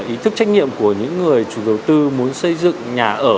ý thức trách nhiệm của những người chủ đầu tư muốn xây dựng nhà ở